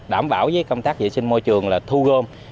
đảm bảo với công tác vệ sinh môi trường là thu gom